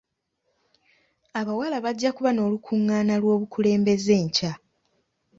Abawala bajja kuba n'olukungaana lw'obukulembeze enkya.